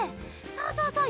そうそうそう！